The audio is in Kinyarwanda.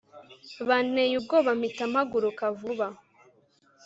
banteye ubwoba mpita mpaguruka vuba